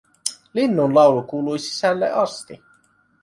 Linnunlaulu kuului sisälle asti